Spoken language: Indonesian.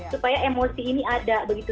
supaya emosi ini ada begitu